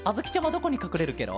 どこにかくれるケロ？